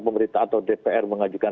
pemerintah atau dpr mengajukan